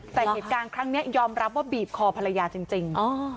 แต่เหตุการณ์ครั้งนี้ยอมรับว่าบีบคอภรรยาจริง